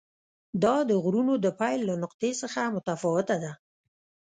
دا د غرونو د پیل له نقطې څخه متفاوته ده.